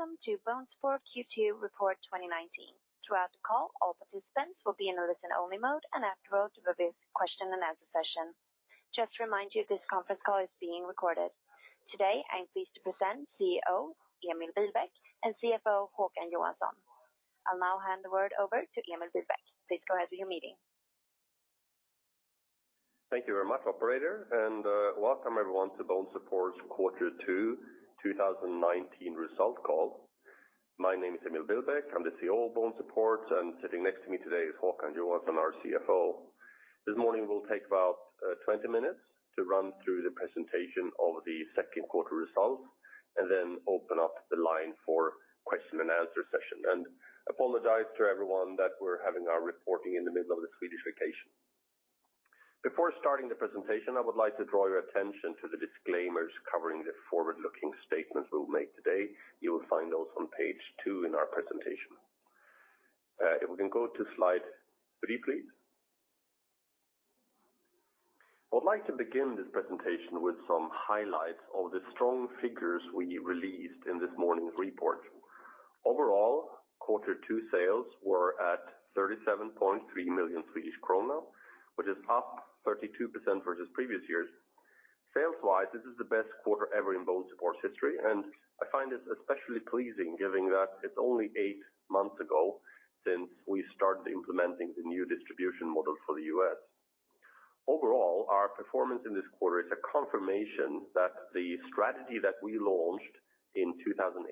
Welcome to BONESUPPORT Q2 Report 2019. Throughout the call, all participants will be in a listen-only mode, and afterward, there will be a question-and-answer session. Just to remind you, this conference call is being recorded. Today, I'm pleased to present CEO, Emil Billbäck, and CFO, Håkan Johansson. I'll now hand the word over to Emil Billbäck. Please go ahead with your meeting. Thank you very much, operator, welcome everyone to BONESUPPORT's Q2 2019 result call. My name is Emil Billbäck. I'm the CEO of BONESUPPORT, sitting next to me today is Håkan Johansson, our CFO. This morning will take about 20 minutes to run through the presentation of the second quarter results then open up the line for question-and-answer session. I apologize to everyone that we're having our reporting in the middle of the Swedish vacation. Before starting the presentation, I would like to draw your attention to the disclaimers covering the forward-looking statements we'll make today. You will find those on page 2 in our presentation. If we can go to slide 3, please. I would like to begin this presentation with some highlights of the strong figures we released in this morning's report. Overall, quarter two sales were at 37.3 million Swedish krona, which is up 32% versus previous years. Sales-wise, this is the best quarter ever in BONESUPPORT's history, and I find this especially pleasing, given that it's only 8 months ago since we started implementing the new distribution model for the U.S. Overall, our performance in this quarter is a confirmation that the strategy that we launched in 2018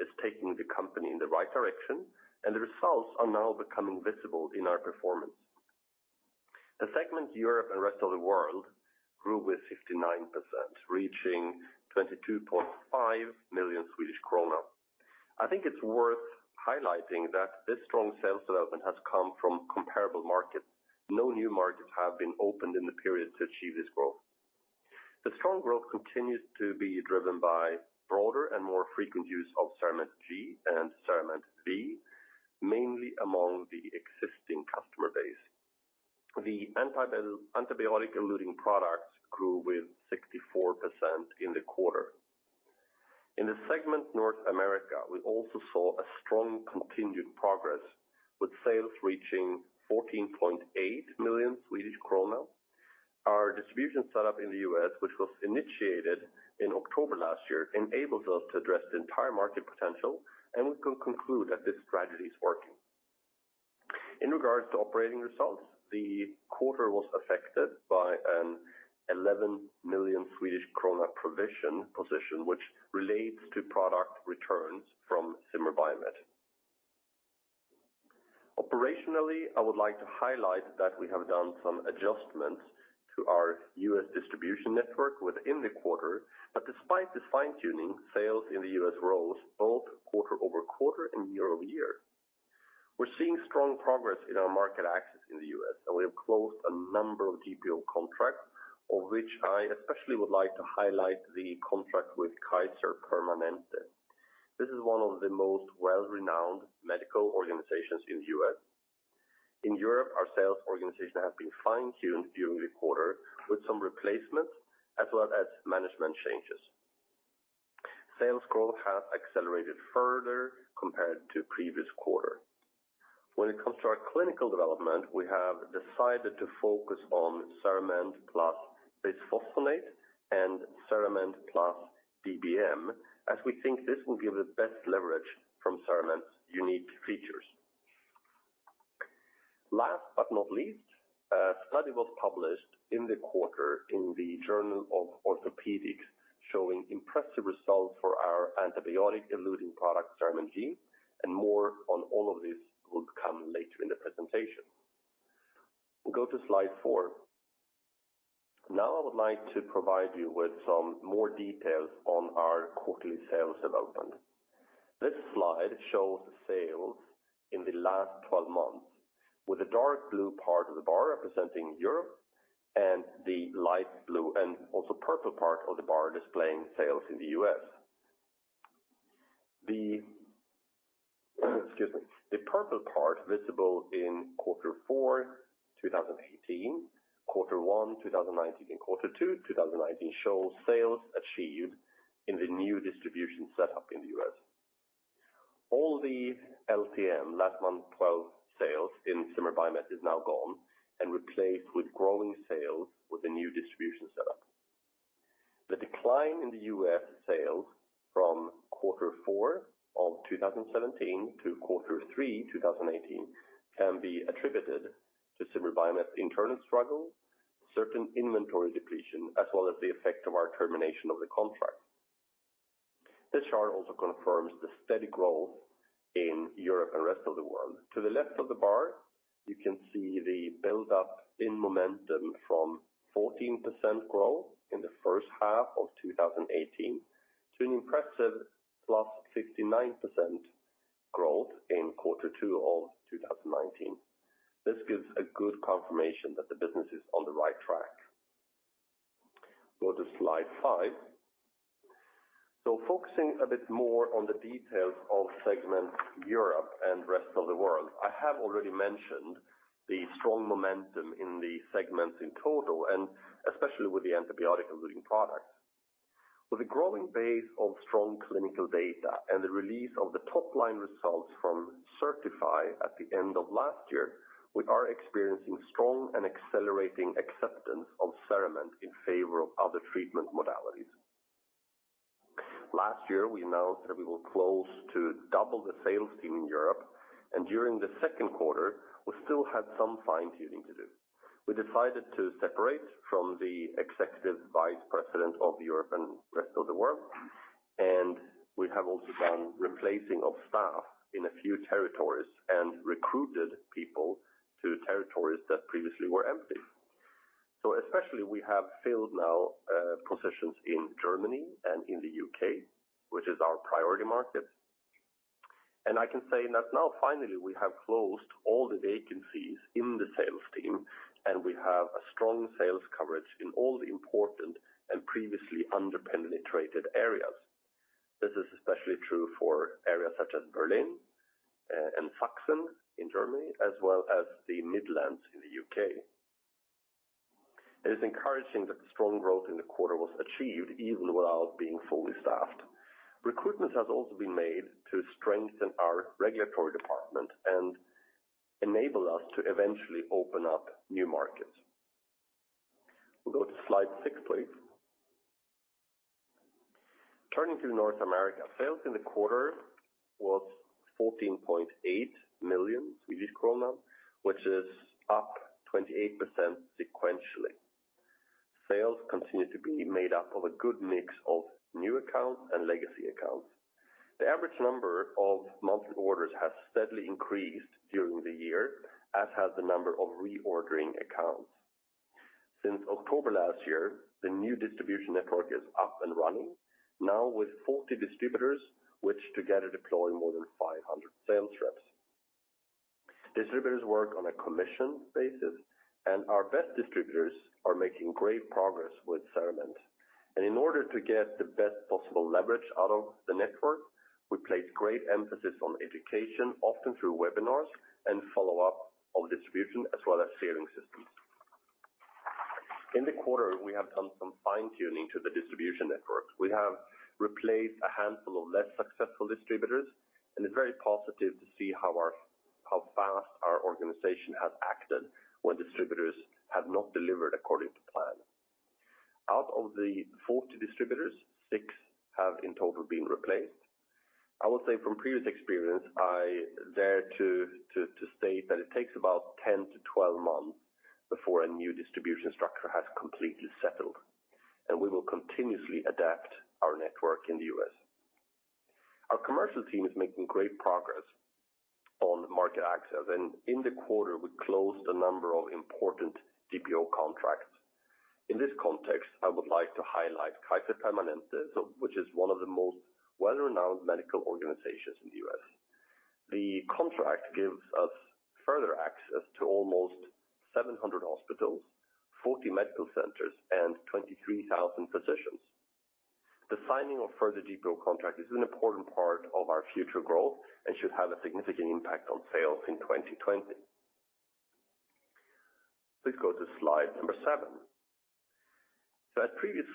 is taking the company in the right direction, and the results are now becoming visible in our performance. The segment Europe and rest of the world grew with 59%, reaching 22.5 million Swedish kronor. I think it's worth highlighting that this strong sales development has come from comparable markets. No new markets have been opened in the period to achieve this growth. The strong growth continues to be driven by broader and more frequent use of CERAMENT G and CERAMENT V, mainly among the existing customer base. The antibiotic-eluting products grew with 64% in the quarter. In the segment North America, we also saw a strong continued progress, with sales reaching 14.8 million Swedish kronor. Our distribution setup in the U.S., which was initiated in October last year, enables us to address the entire market potential, and we can conclude that this strategy is working. In regards to operating results, the quarter was affected by an 11 million Swedish krona provision position, which relates to product returns from Zimmer Biomet. Operationally, I would like to highlight that we have done some adjustments to our U.S. distribution network within the quarter, but despite the fine-tuning, sales in the U.S. rose both quarter-over-quarter and year-over-year. We're seeing strong progress in our market access in the U.S., we have closed a number of GPO contracts, of which I especially would like to highlight the contract with Kaiser Permanente. This is one of the most well-renowned medical organizations in the U.S. In Europe, our sales organization has been fine-tuned during the quarter with some replacements as well as management changes. Sales growth has accelerated further compared to previous quarter. When it comes to our clinical development, we have decided to focus on CERAMENT plus bisphosphonate and CERAMENT plus DBM, as we think this will give the best leverage from CERAMENT's unique features. Last but not least, a study was published in the quarter in the Journal of Orthopaedics, showing impressive results for our antibiotic-eluting product, CERAMENT G, more on all of this will come later in the presentation. Go to slide 4. Now, I would like to provide you with some more details on our quarterly sales development. This slide shows sales in the Last Twelve Months, with the dark blue part of the bar representing Europe and the light blue and also purple part of the bar displaying sales in the US. Excuse me, the purple part, visible in Q4 2018, Q1 2019, and Q2 2019, shows sales achieved in the new distribution set up in the US. All the LTM, Last Twelve Months, sales in Zimmer Biomet is now gone and replaced with growing sales with the new distribution setup. The decline in the U.S. sales from quarter four of 2017 to quarter three 2018 can be attributed to Zimmer Biomet's internal struggle, certain inventory depletion, as well as the effect of our termination of the contract. This chart also confirms the steady growth in Europe and the rest of the world. To the left of the bar, you can see the buildup in momentum from 14% growth in the first half of 2018 to an impressive +59% growth in quarter two of 2019. This gives a good confirmation that the business is on the right track. Go to slide 5. Focusing a bit more on the details of segment Europe and rest of the world, I have already mentioned the strong momentum in the segments in total, and especially with the antibiotic-eluting products. With a growing base of strong clinical data and the release of the top-line results from CERTiFy at the end of last year, we are experiencing strong and accelerating acceptance of CERAMENT in favor of other treatment modalities. Last year, we announced that we will close to double the sales team in Europe. During the second quarter, we still had some fine-tuning to do. We decided to separate from the Executive Vice President of Europe and rest of the world. We have also done replacing of staff in a few territories and recruited people to territories that previously were empty. Especially, we have filled now positions in Germany and in the U.K., which is our priority market. I can say that now finally, we have closed all the vacancies in the sales team, and we have a strong sales coverage in all the important and previously under-penetrated areas. This is especially true for areas such as Berlin, and Saxony in Germany, as well as the Midlands in the UK. It is encouraging that the strong growth in the quarter was achieved even without being fully staffed. Recruitment has also been made to strengthen our regulatory department and enable us to eventually open up new markets. We'll go to slide 6, please. Turning to North America, sales in the quarter was 14.8 million, which is up 28% sequentially. Sales continue to be made up of a good mix of new accounts and legacy accounts. The average number of monthly orders has steadily increased during the year, as has the number of reordering accounts. Since October last year, the new distribution network is up and running, now with 40 distributors, which together deploy more than 500 sales reps. Distributors work on a commission basis. Our best distributors are making great progress with CERAMENT. In order to get the best possible leverage out of the network, we place great emphasis on education, often through webinars and follow-up on distribution, as well as sharing systems. In the quarter, we have done some fine-tuning to the distribution network. We have replaced a handful of less successful distributors, and it's very positive to see how fast our organization has acted when distributors have not delivered according to plan. Out of the 40 distributors, 6 have in total been replaced. I would say from previous experience, I dare to state that it takes about 10-12 months before a new distribution structure has completely settled, and we will continuously adapt our network in the U.S. Our commercial team is making great progress on market access, and in the quarter, we closed a number of important GPO contracts. In this context, I would like to highlight Kaiser Permanente, which is one of the most well-renowned medical organizations in the U.S. The contract gives us further access to almost 700 hospitals, 40 medical centers, and 23,000 physicians. The signing of further GPO contract is an important part of our future growth and should have a significant impact on sales in 2020. Please go to slide number 7. At previous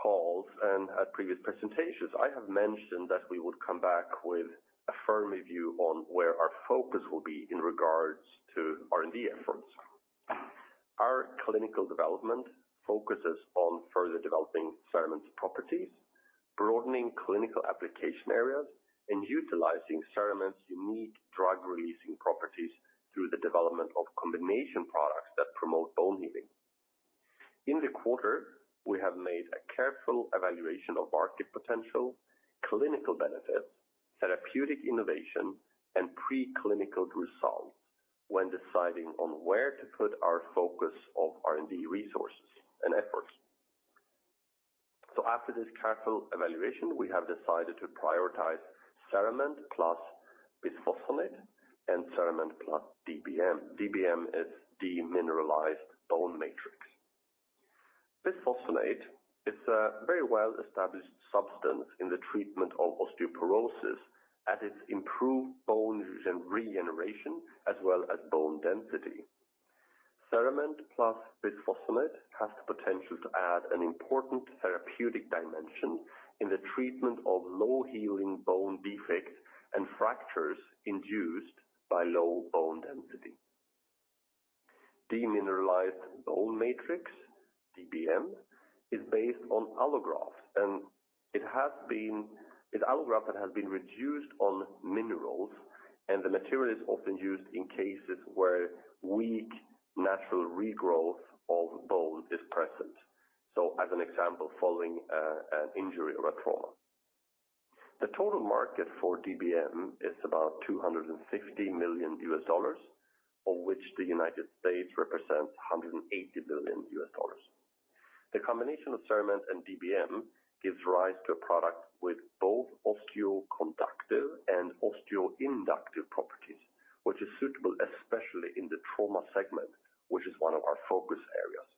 calls and at previous presentations, I have mentioned that we would come back with a firmly view on where our focus will be in regards to R&D efforts. Our clinical development focuses on further developing CERAMENT's properties, broadening clinical application areas, and utilizing CERAMENT's unique drug-releasing properties through the development of combination products that promote bone healing. In the quarter, we have made a careful evaluation of market potential, clinical benefits, therapeutic innovation, and preclinical results when deciding on where to put our focus of R&D resources and efforts. After this careful evaluation, we have decided to prioritize CERAMENT plus bisphosphonate and CERAMENT plus DBM. DBM is demineralized bone matrix. Bisphosphonate is a very well-established substance in the treatment of osteoporosis, as it's improved bone and regeneration, as well as bone density. CERAMENT plus bisphosphonate has the potential to add an important therapeutic dimension in the treatment of low-healing bone defects and fractures induced by low bone density. Demineralized bone matrix, DBM, is based on allograft, and it's allograft that has been reduced on minerals, and the material is often used in cases where weak natural regrowth of bone is present, so as an example, following an injury or a trauma. The total market for DBM is about $250 million, of which the United States represents $180 million. The combination of CERAMENT and DBM gives rise to a product with both osteoconductive and osteoinductive properties, which is suitable, especially in the trauma segment, which is one of our focus areas....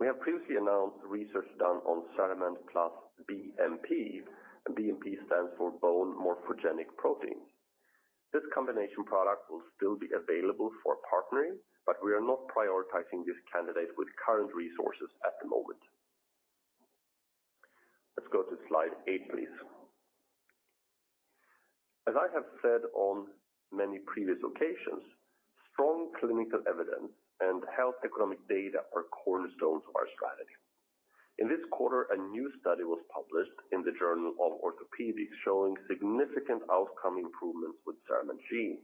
We have previously announced research done on CERAMENT plus BMP, and BMP stands for bone morphogenetic proteins. This combination product will still be available for partnering, but we are not prioritizing this candidate with current resources at the moment. Let's go to slide 8, please. As I have said on many previous occasions, strong clinical evidence and health economic data are cornerstones of our strategy. In this quarter, a new study was published in the Journal of Orthopaedics, showing significant outcome improvements with CERAMENT G.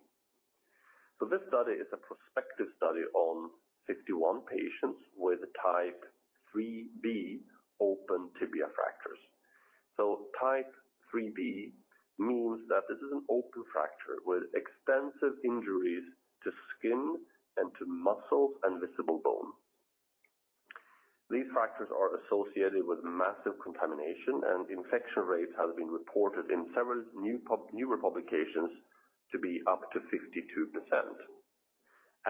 This study is a prospective study on 51 patients with Type IIIB open tibia fractures. Type IIIB means that this is an open fracture with extensive injuries to skin and to muscles and visible bone. These fractures are associated with massive contamination, and infection rates have been reported in several newer publications to be up to 52%.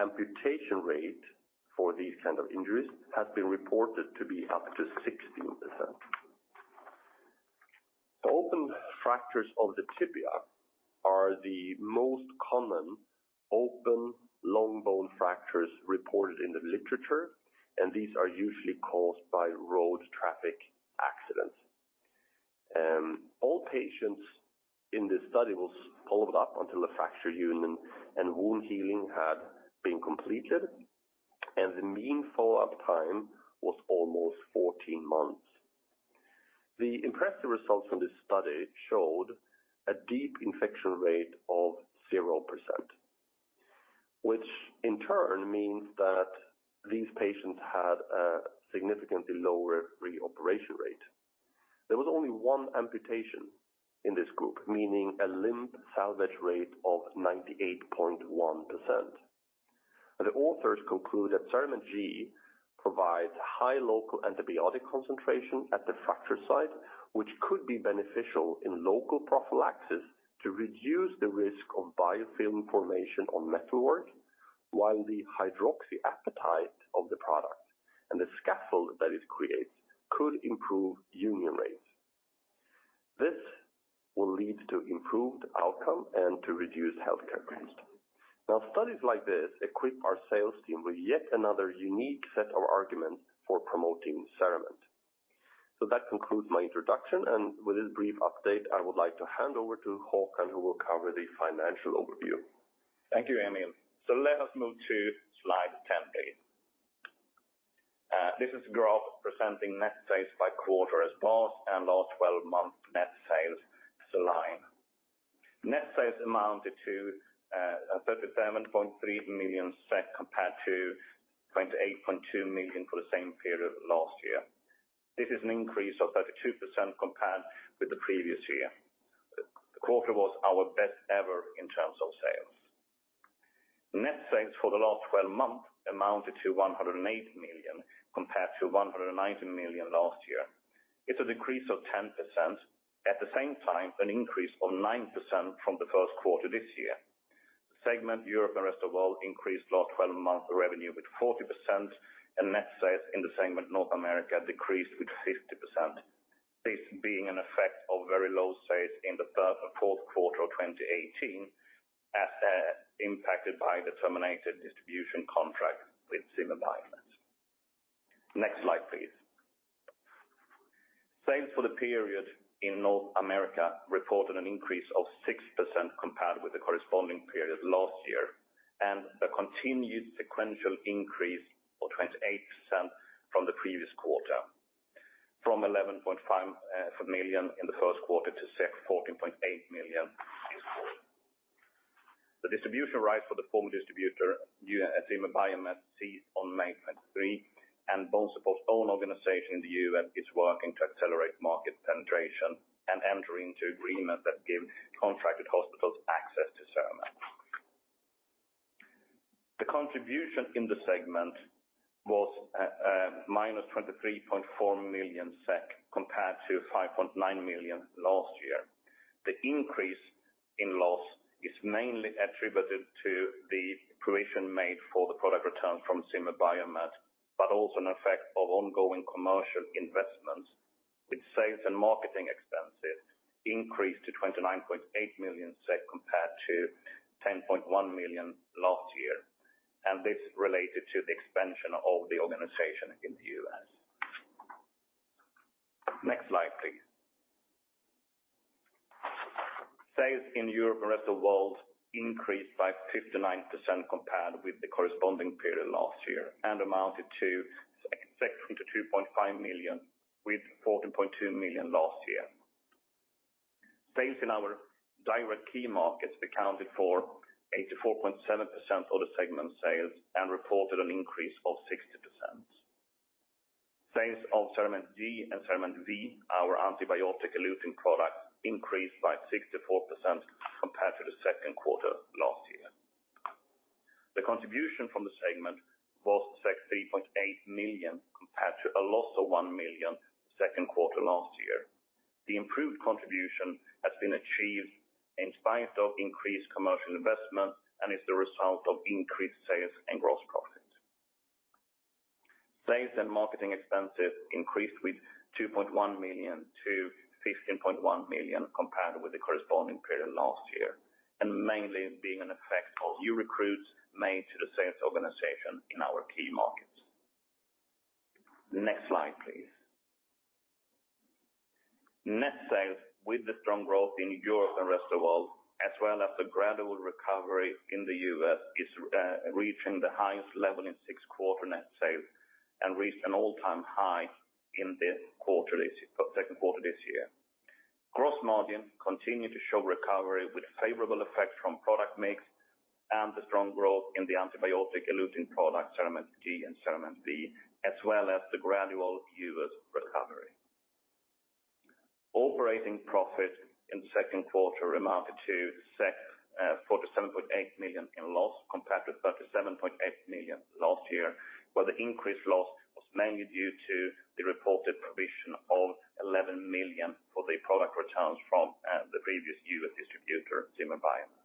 Amputation rate for these kind of injuries has been reported to be up to 16%. Open fractures of the tibia are the most common open long bone fractures reported in the literature, and these are usually caused by road traffic accidents. All patients in this study was followed up until the fracture union and wound healing had been completed, and the mean follow-up time was almost 14 months. The impressive results from this study showed a deep infection rate of 0%, which in turn means that these patients had a significantly lower reoperation rate. There was only 1 amputation in this group, meaning a limb salvage rate of 98.1%. The authors conclude that CERAMENT G provides high local antibiotic concentration at the fracture site, which could be beneficial in local prophylaxis to reduce the risk of biofilm formation on metalwork, while the hydroxyapatite of the product and the scaffold that it creates could improve union rates. This will lead to improved outcome and to reduced healthcare costs. Studies like this equip our sales team with yet another unique set of arguments for promoting CERAMENT. That concludes my introduction, and with this brief update, I would like to hand over to Håkan, who will cover the financial overview. Thank you, Emil. Let us move to slide 10, please. This is a graph presenting net sales by quarter as well as our 12-month net sales line. Net sales amounted to 37.3 million, compared to 28.2 million for the same period last year. This is an increase of 32% compared with the previous year. The quarter was our best ever in terms of sales. Net sales for the last 12 months amounted to 108 million, compared to 190 million last year. It's a decrease of 10%, at the same time, an increase of 9% from the first quarter this year. Segment Europe and rest of world increased last 12-month revenue with 40%, and net sales in the segment North America decreased with 50%. This being an effect of very low sales in the fourth quarter of 2018, as impacted by the terminated distribution contract with Zimmer Biomet. Next slide, please. Sales for the period in North America reported an increase of 6% compared with the corresponding period last year, and a continued sequential increase of 28% from the previous quarter, from 11.5 million in the first quarter to 14.8 million this quarter. The distribution rights for the former distributor, Zimmer Biomet, ceased on May 23, and BONESUPPORT's own organization in the U.S. is working to accelerate market penetration and enter into agreements that give contracted hospitals access to CERAMENT. The contribution in the segment was minus 23.4 million SEK, compared to 5.9 million last year. The increase in loss is mainly attributed to the provision made for the product return from Zimmer Biomet. Also an effect of ongoing commercial investments, with sales and marketing expenses increased to 29.8 million, compared to 10.1 million last year. This related to the expansion of the organization in the US. Next slide, please. Sales in Europe and rest of world increased by 59% compared with the corresponding period last year. Amounted to 22.5 million, with 14.2 million last year. Sales in our direct key markets accounted for 84.7% of the segment's sales and reported an increase of 60%. Sales of CERAMENT G and CERAMENT V, our antibiotic eluting product, increased by 64% compared to the second quarter last year. The contribution from the segment was 3.8 million, compared to a loss of 1 million second quarter last year. The improved contribution has been achieved in spite of increased commercial investment and is the result of increased sales and gross profits. Sales and marketing expenses increased with 2.1 million to 15.1 million, compared with the corresponding period last year, and mainly being an effect of new recruits made to the sales organization in our key markets. Next slide, please. Net sales with the strong growth in Europe and rest of world, as well as the gradual recovery in the US, is reaching the highest level in 6-quarter net sales and reached an all-time high in this quarter, second quarter this year. Gross margin continued to show recovery with favorable effects from product mix and the strong growth in the antibiotic eluting product, CERAMENT G and CERAMENT V, as well as the gradual U.S. recovery. Operating profit in the second quarter amounted to 47.8 million in loss, compared to 37.8 million last year, where the increased loss was mainly due to the reported provision of 11 million for the product returns from the previous U.S. distributor, Zimmer Biomet.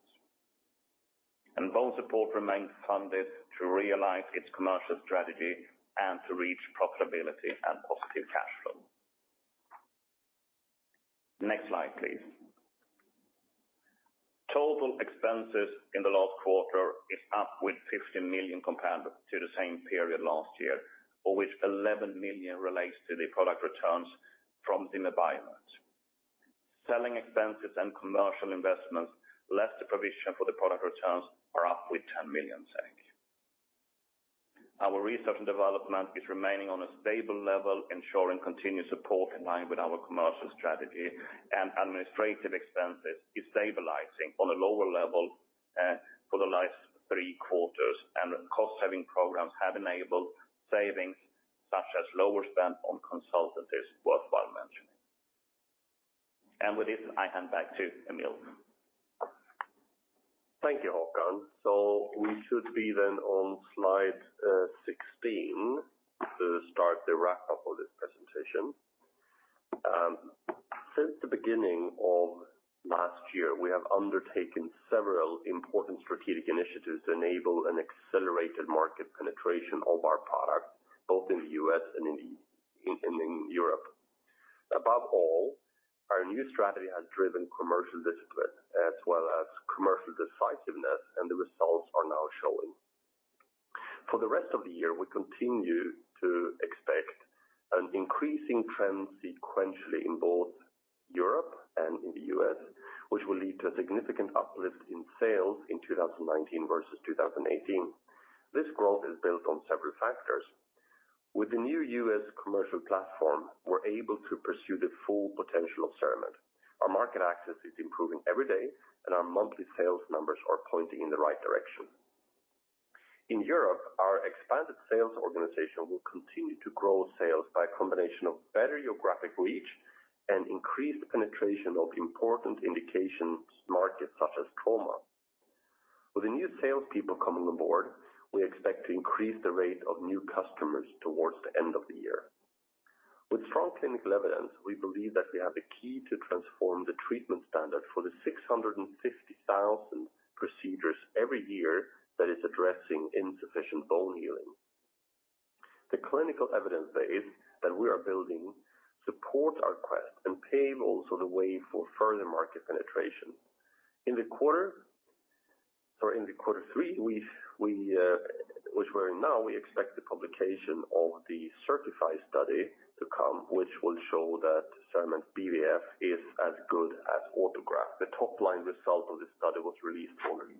BONESUPPORT remains funded to realize its commercial strategy and to reach profitability and positive cash flow. Next slide, please. Total expenses in the last quarter is up with 15 million compared to the same period last year, of which 11 million relates to the product returns from Zimmer Biomet. Selling expenses and commercial investments, less the provision for the product returns, are up with 10 million. Our research and development is remaining on a stable level, ensuring continued support in line with our commercial strategy, and administrative expenses is stabilizing on a lower level for the last 3 quarters, and cost-saving programs have enabled savings, such as lower spend on consultancies, worthwhile mentioning. With this, I hand back to Emil. Thank you, Håkan. We should be then on slide 16 to start the wrap up of this presentation. Since the beginning of last year, we have undertaken several important strategic initiatives to enable an accelerated market penetration of our product, both in the U.S. and in Europe. Above all, our new strategy has driven commercial discipline as well as commercial decisiveness. The results are now showing. For the rest of the year, we continue to expect an increasing trend sequentially in both Europe and in the U.S., which will lead to a significant uplift in sales in 2019 versus 2018. This growth is built on several factors. With the new U.S. commercial platform, we're able to pursue the full potential of CERAMENT. Our market access is improving every day. Our monthly sales numbers are pointing in the right direction. In Europe, our expanded sales organization will continue to grow sales by a combination of better geographic reach and increased penetration of important indications markets such as trauma. With the new salespeople coming on board, we expect to increase the rate of new customers towards the end of the year. With strong clinical evidence, we believe that we have the key to transform the treatment standard for the 650,000 procedures every year that is addressing insufficient bone healing. The clinical evidence base that we are building supports our quest and paves also the way for further market penetration. In the quarter, or in the quarter three, we which we're in now, we expect the publication of the CERTiFy study to come, which will show that CERAMENT BVF is as good as autograft. The top-line result of this study was released only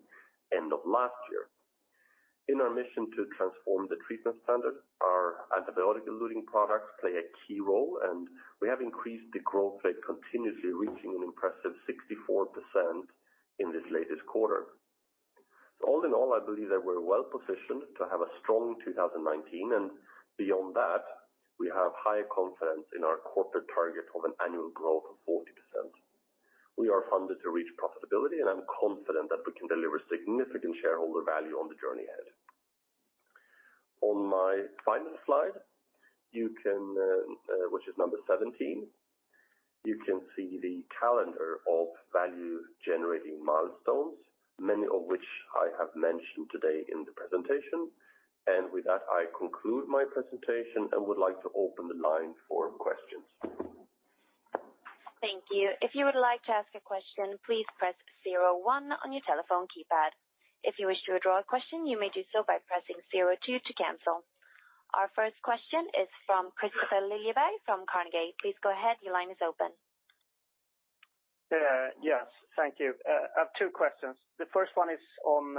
end of last year. In our mission to transform the treatment standard, our antibiotic-eluting products play a key role, and we have increased the growth rate continuously, reaching an impressive 64% in this latest quarter. All in all, I believe that we're well positioned to have a strong 2019. Beyond that, we have high confidence in our corporate target of an annual growth of 40%. We are funded to reach profitability. I'm confident that we can deliver significant shareholder value on the journey ahead. On my final slide, you can, which is number 17, you can see the calendar of value-generating milestones, many of which I have mentioned today in the presentation. With that, I conclude my presentation and would like to open the line for questions. Thank you. If you would like to ask a question, please press 01 on your telephone keypad. If you wish to withdraw a question, you may do so by pressing 02 to cancel. Our first question is from Kristofer Liljeberg from Carnegie. Please go ahead. Your line is open. Yes, thank you. I have two questions. The first one is on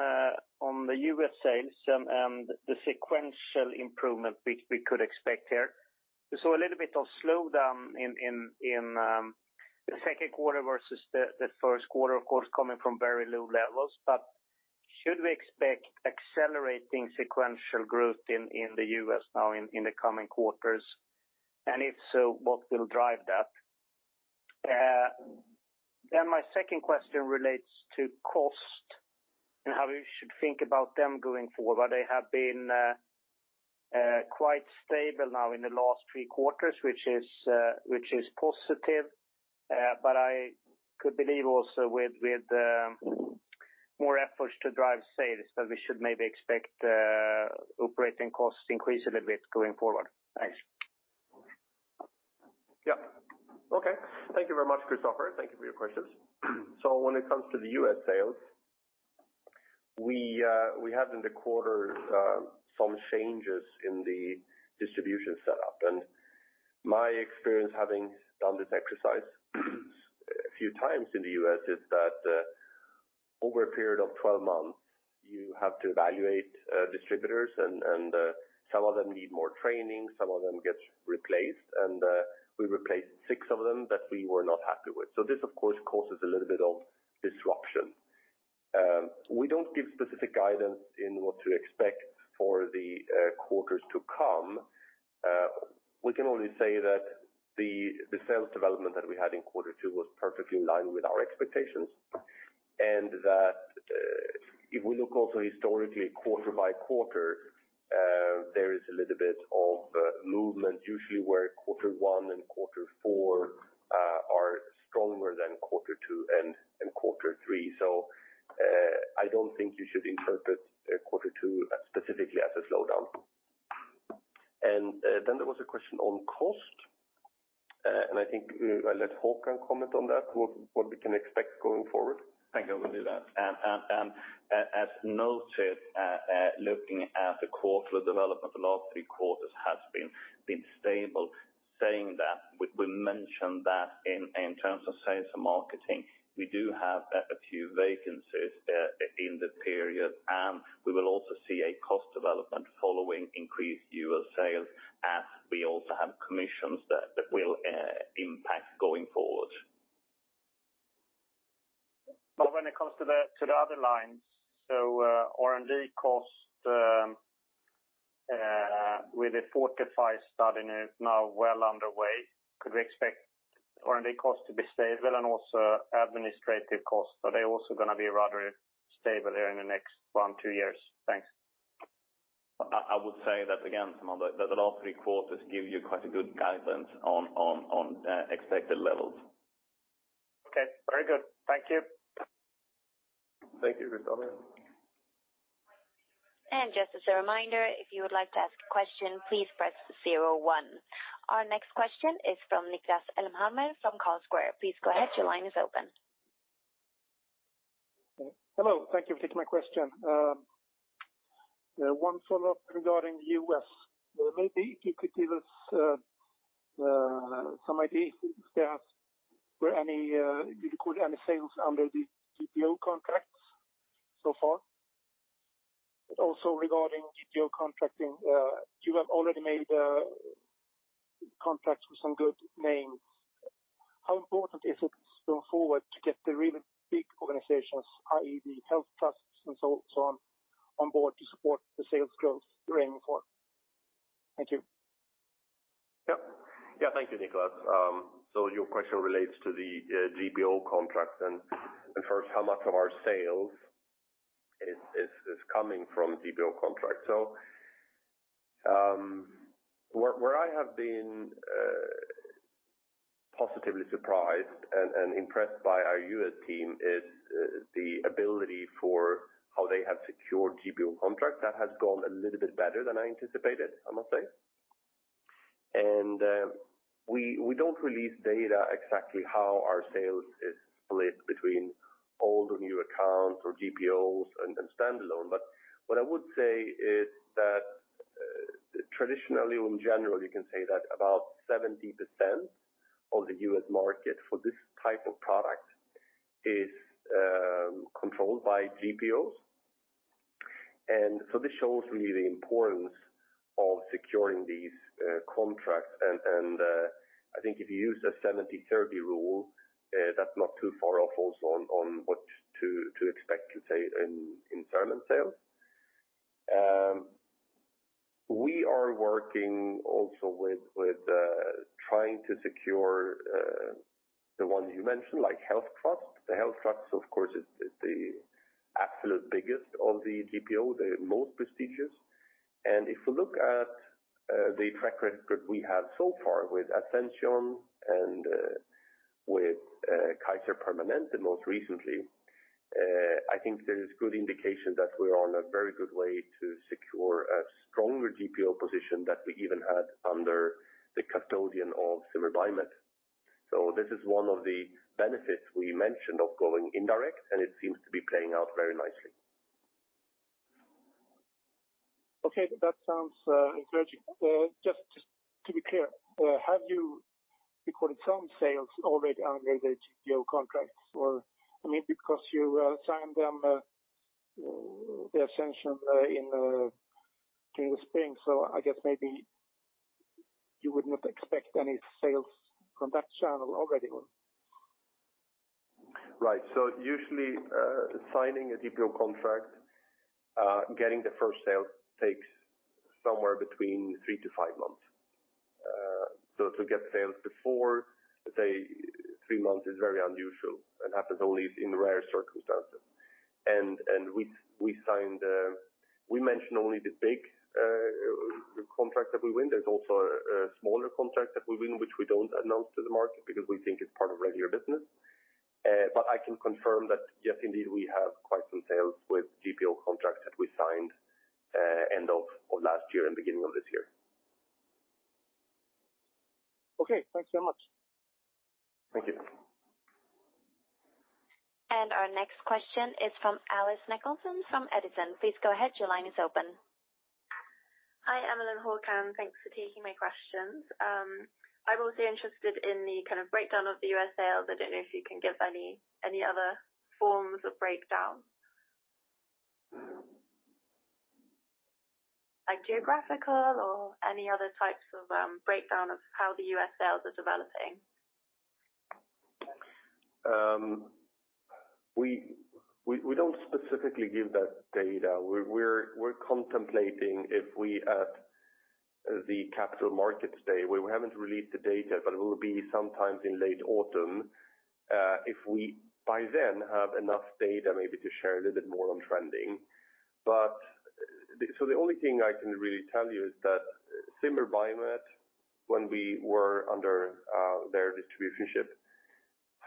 the U.S. sales and the sequential improvement which we could expect here. We saw a little bit of slowdown in the second quarter versus the first quarter, of course, coming from very low levels. Should we expect accelerating sequential growth in the U.S. now in the coming quarters? If so, what will drive that? My second question relates to cost and how we should think about them going forward. They have been quite stable now in the last three quarters, which is positive. I could believe also with more efforts to drive sales, that we should maybe expect operating costs increase a little bit going forward. Thanks. Okay. Thank you very much, Kristofer. Thank you for your questions. When it comes to the U.S. sales, we had in the quarter some changes in the distribution setup. My experience having done this exercise a few times in the U.S., is that over a period of 12 months, you have to evaluate distributors, and some of them need more training, some of them get replaced, and we replaced 6 of them that we were not happy with. This, of course, causes a little bit of disruption. We don't give specific guidance in what to expect for the quarters to come. We can only say that the sales development that we had in Q2 was perfectly in line with our expectations, that, if we look also historically, quarter by quarter, there is a little bit of movement, usually where Q1 and Q4 are stronger than Q2 and Q3. I don't think you should interpret Q2 specifically as a slowdown. There was a question on cost, and I think I'll let Håkan comment on that, what we can expect going forward. Thank you. I will do that. As noted, looking at the quarterly development, the last three quarters has been stable. Saying that, we mentioned that in terms of sales and marketing, we do have a few vacancies in the period, and we will also see a cost development following increased U.S. sales, as we also have commissions that will impact going forward. When it comes to the, to the other lines, R&D cost, with the FORTIFY study now well underway, could we expect R&D costs to be stable and also administrative costs, are they also going to be rather stable there in the next one, two years? Thanks. I would say that again, some of the last three quarters give you quite a good guidance on expected levels. Okay, very good. Thank you. Thank you, Kristofer. Just as a reminder, if you would like to ask a question, please press zero-one. Our next question is from Niklas Elmhammer, from Carlsquare. Please go ahead. Your line is open. Hello, thank you for taking my question. One follow-up regarding the U.S. Maybe you could give us some idea if there were any, did you record any sales under the GPO contracts so far? Regarding GPO contracting, you have already made contracts with some good names. How important is it going forward to get the really big organizations, i.e., the HealthTrusts and so on board to support the sales growth you're aiming for? Thank you. Yep. Yeah, thank you, Niklas. Your question relates to the GPO contracts, and first, how much of our sales is coming from GPO contracts. Where I have been positively surprised and impressed by our U.S. team is the ability for how they have secured GPO contracts. That has gone a little bit better than I anticipated, I must say. We don't release data exactly how our sales is split between old or new accounts or GPOs and standalone. What I would say is that traditionally, in general, you can say that about 70% of the U.S. market for this type of product is controlled by GPOs. This shows me the importance of securing these contracts. I think if you use a 70-30 rule, that's not too far off also on what to expect to say in cement sales. We are working also with trying to secure the ones you mentioned, like HealthTrust. The HealthTrust, of course, is the absolute biggest of the GPO, the most prestigious. If you look at the track record we have so far with Ascension and with Kaiser Permanente most recently, I think there is good indication that we are on a very good way to secure a stronger GPO position than we even had under the custodian of Zimmer Biomet. This is one of the benefits we mentioned of going indirect, and it seems to be playing out very nicely. Okay, that sounds encouraging. Just to be clear, have you recorded some sales already under the GPO contracts? Maybe because you signed them, the Ascension, in during the spring. I guess maybe you would not expect any sales from that channel already. Right. Usually, signing a GPO contract, getting the first sale takes somewhere between 3 to 5 months. To get sales before, say, 3 months is very unusual and happens only in rare circumstances. We signed, we mentioned only the big contract that we win. There's also a smaller contract that we win, which we don't announce to the market because we think it's part of regular business. I can confirm that, yes, indeed, we have quite some sales with GPO contracts that we signed end of last year and beginning of this year. Okay. Thanks so much. Thank you. Our next question is from Ailsa Craig, from Edison. Please go ahead. Your line is open. Hi, Emil and Håkan, thanks for taking my questions. I'm also interested in the kind of breakdown of the U.S. sales. I don't know if you can give any other forms of breakdown. Mm. Like geographical or any other types of, breakdown of how the US sales are developing? We don't specifically give that data. We're contemplating if we at the capital markets day, we haven't released the data, it will be sometimes in late autumn, if we by then have enough data maybe to share a little bit more on trending. The only thing I can really tell you is that Zimmer Biomet, when we were under their distributorship,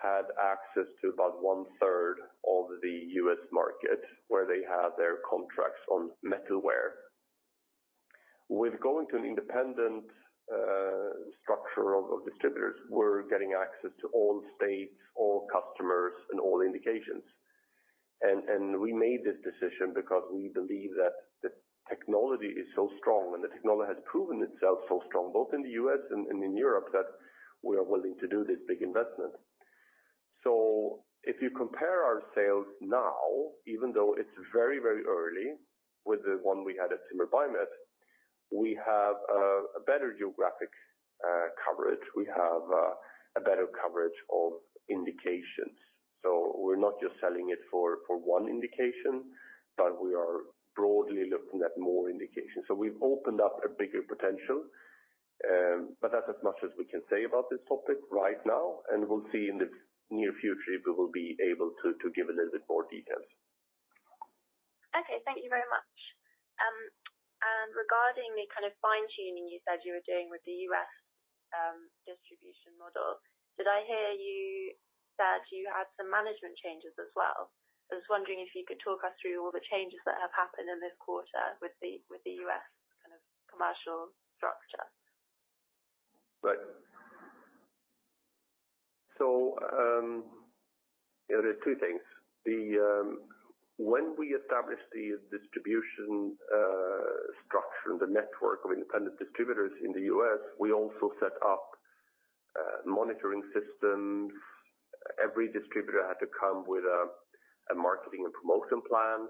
had access to about one-third of the U.S. market, where they had their contracts on metalware. With going to an independent structure of distributors, we're getting access to all states, all customers, and all indications. We made this decision because we believe that the technology is so strong, and the technology has proven itself so strong, both in the U.S. and in Europe, that we are willing to do this big investment. If you compare our sales now, even though it's very, very early, with the one we had at Zimmer Biomet, we have a better geographic coverage. We have a better coverage of indications. We're not just selling it for one indication, but we are broadly looking at more indications. We've opened up a bigger potential, but that's as much as we can say about this topic right now, and we'll see in the near future if we will be able to give a little bit more details. Okay, thank you very much. Regarding the kind of fine-tuning you said you were doing with the U.S. distribution model, did I hear you said you had some management changes as well? I was wondering if you could talk us through all the changes that have happened in this quarter with the, with the U.S. kind of commercial structure. Right. There are two things. When we established the distribution structure, the network of independent distributors in the US, we also set up monitoring systems. Every distributor had to come with a marketing and promotion plan.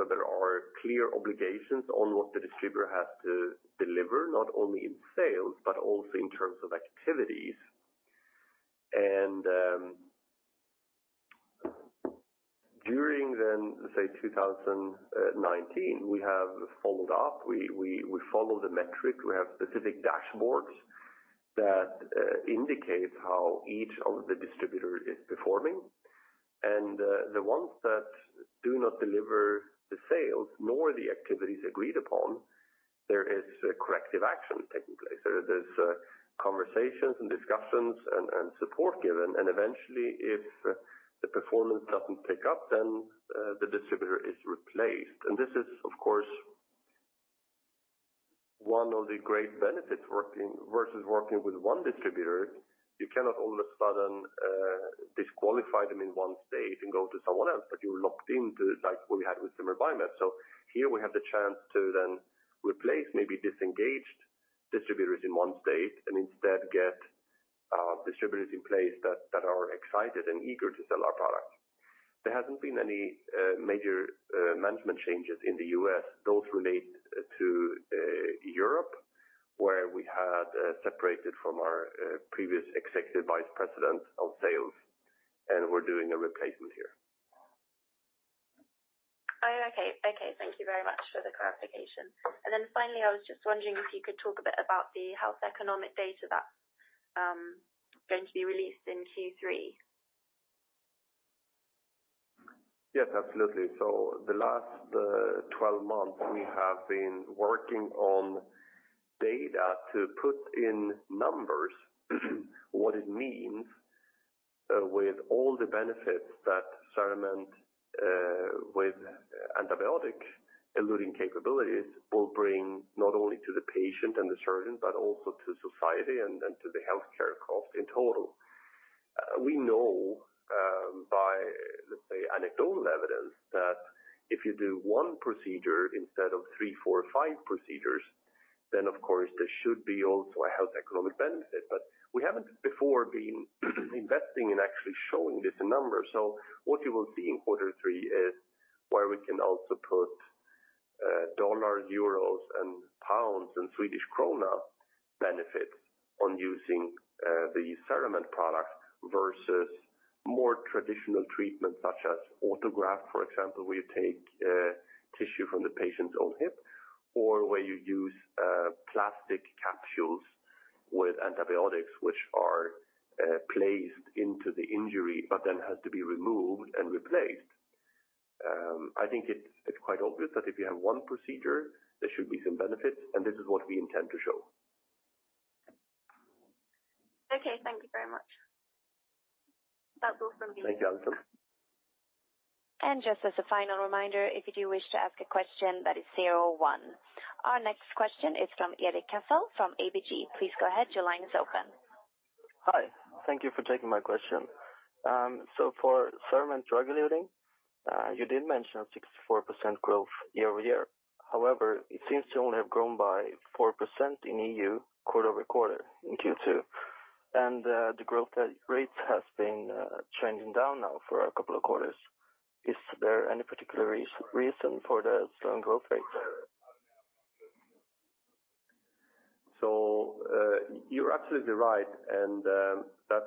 There are clear obligations on what the distributor has to deliver, not only in sales, but also in terms of activities. During then, say, 2019, we have followed up. We follow the metric. We have specific dashboards that indicate how each of the distributors is performing. The ones that do not deliver the sales nor the activities agreed upon, there is a corrective action taking place. There's conversations and discussions and support given, and eventually, if the performance doesn't pick up, then the distributor is replaced. This is, of course, one of the great benefits versus working with one distributor, you cannot all of a sudden disqualify them in one state and go to someone else, but you're locked into, like we had with Zimmer Biomet. Here we have the chance to then replace maybe disengaged distributors in one state and instead get distributors in place that are excited and eager to sell our product. There hasn't been any major management changes in the U.S. Those relate to Europe, where we had separated from our previous Executive Vice President of sales, and we're doing a replacement here. Oh, okay. Okay, thank you very much for the clarification. Finally, I was just wondering if you could talk a bit about the health economic data that is going to be released in Q3. Yes, absolutely. The last 12 months, we have been working on data to put in numbers, what it means, with all the benefits that CERAMENT with antibiotic-eluting capabilities, will bring not only to the patient and the surgeon, but also to society and to the healthcare cost in total. We know, by, let's say, anecdotal evidence, that if you do one procedure instead of three, four, or five procedures, of course there should be also a health economic benefit. We haven't before been investing in actually showing this number. What you will see in quarter 3 is where we can also put dollars, euros, and pounds, and Swedish krona benefits on using the CERAMENT product versus-... more traditional treatments such as autograft, for example, where you take, tissue from the patient's own hip, or where you use, plastic capsules with antibiotics, which are, placed into the injury, but then has to be removed and replaced. I think it's quite obvious that if you have one procedure, there should be some benefits. This is what we intend to show. Okay, thank you very much. That's all from me. Thank you. Just as a final reminder, if you do wish to ask a question, that is 01. Our next question is from Erik Cassel, from ABG. Please go ahead. Your line is open. Hi. Thank you for taking my question. For CERAMENT drug eluting, you did mention 64% growth year-over-year. However, it seems to only have grown by 4% in EU, quarter-over-quarter in Q2. The growth rate has been trending down now for a couple of quarters. Is there any particular reason for the slow growth rate? You're absolutely right, and that's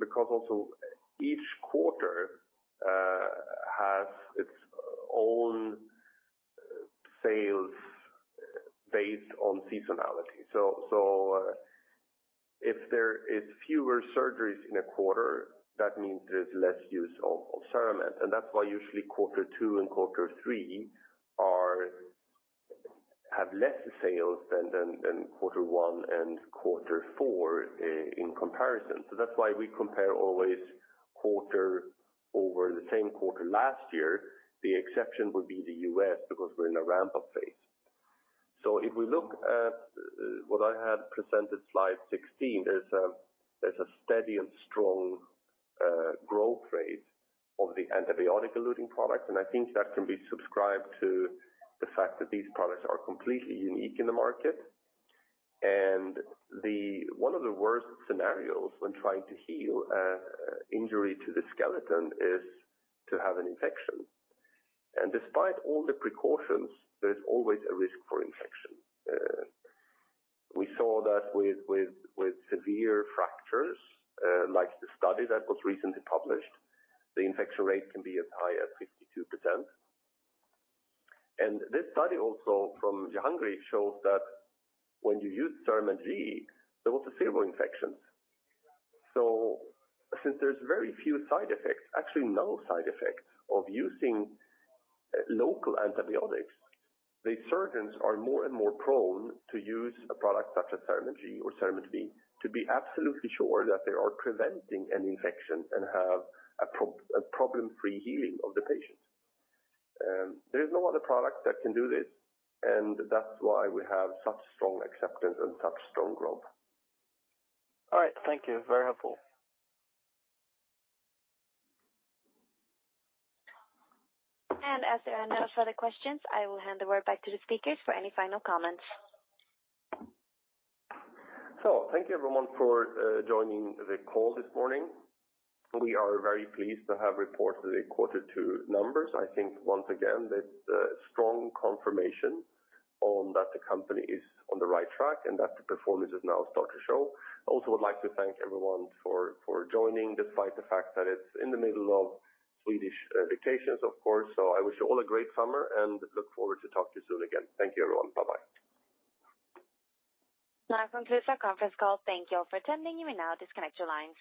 because also each quarter has its own sales based on seasonality. If there is fewer surgeries in a quarter, that means there's less use of CERAMENT. That's why usually quarter 2 and quarter 3 have less sales than quarter 1 and quarter 4 in comparison. That's why we compare always quarter over the same quarter last year. The exception would be the U.S., because we're in a ramp-up phase. If we look at, what I had presented, slide 16, there's a steady and strong growth rate of the antibiotic eluting products, and I think that can be subscribed to the fact that these products are completely unique in the market. One of the worst scenarios when trying to heal injury to the skeleton is to have an infection. Despite all the precautions, there's always a risk for infection. We saw that with severe fractures, like the study that was recently published, the infection rate can be as high as 52%. This study, also from Jahangir, shows that when you use CERAMENT G, there was zero infections. Since there's very few side effects, actually no side effects of using local antibiotics, the surgeons are more and more prone to use a product such as CERAMENT G or CERAMENT V, to be absolutely sure that they are preventing an infection and have a problem-free healing of the patients. There is no other product that can do this. That's why we have such strong acceptance and such strong growth. All right. Thank you. Very helpful. As there are no further questions, I will hand the word back to the speakers for any final comments. Thank you, everyone, for joining the call this morning. We are very pleased to have reported the quarter two numbers. I think once again, that's a strong confirmation on that the company is on the right track and that the performance is now start to show. I also would like to thank everyone for joining, despite the fact that it's in the middle of Swedish vacations, of course. I wish you all a great summer and look forward to talk to you soon again. Thank you, everyone. Bye-bye. Now, concludes our conference call. Thank you all for attending. You may now disconnect your lines.